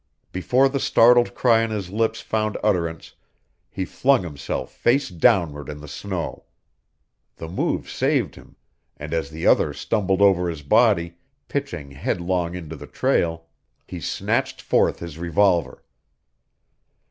Before the startled cry on his lips found utterance he flung himself face downward in the snow. The move saved him, and as the other stumbled over his body, pitching headlong into the trail, he snatched forth his revolver.